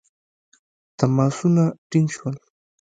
تماسونه ټینګ شول.